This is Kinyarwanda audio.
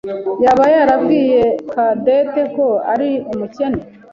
yaba yarabwiye Cadette ko ari umukene?